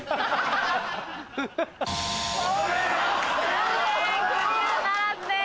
残念クリアならずです。